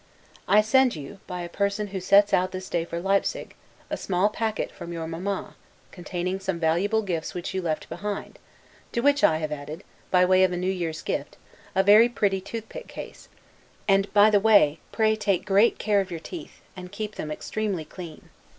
I send you, by a person who sets out this day for Leipsig, a small packet from your Mamma, containing some valuable things which you left behind, to which I have added, by way of new year's gift, a very pretty tooth pick case; and, by the way, pray take great care of your teeth, and keep them extremely clean.